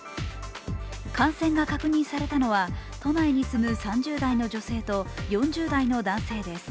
感染が確認されたのは、都内に住む３０代の女性と４０代の男性です。